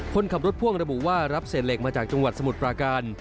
คนขับรถพ่วงระบุว่ารับเศษเหล็กมาจากจังหวัดสมุทรปราการ